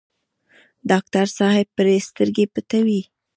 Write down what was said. ډاکټر صاحب پرې سترګې پټوي.